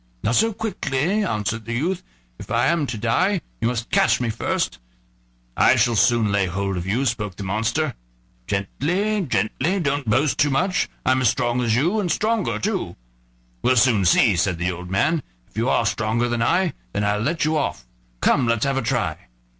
"Not so quickly," answered the youth. "If I am to die, you must catch me first." "I shall soon lay hold of you," spoke the monster. "Gently, gently, don't boast too much, I'm as strong as you, and stronger too." "We'll soon see," said the old man; "if you are stronger than I then I'll let you off; come, let's have a try."